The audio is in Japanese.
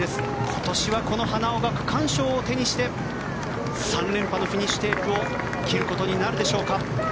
今年は、この花尾が区間賞を手にして３連覇のフィニッシュテープを切ることになるでしょうか。